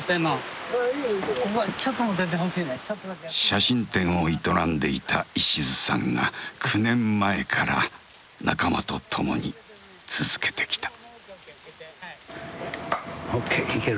写真店を営んでいた石津さんが９年前から仲間と共に続けてきた。